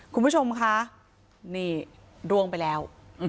คุณผู้ชมคะนี่ร่วงไปแล้ว